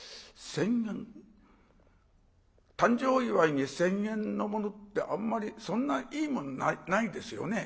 誕生祝に１，０００円のものってあんまりそんないいものないですよね。